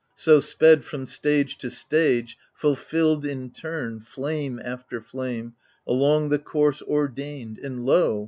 So sped from stage to stage, fulfilled in turn, Flame after flame, along the course ordained. And lo